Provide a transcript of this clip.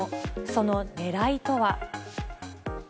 そのねらいとは。